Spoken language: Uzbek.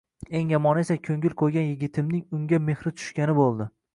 Eng yomoni esa ko`ngil qo`ygan yigitimning unga mehri tushgani bo`ldi